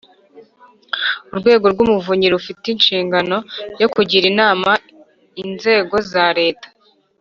Urwego rw Umuvunyi rufite inshingano yo kugira inama inzego za Leta